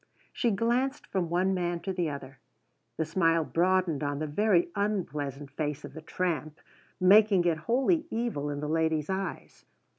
She glanced from one man to the other. The smile broadened on the very unpleasant face of the tramp, making it wholly evil in the lady's eyes.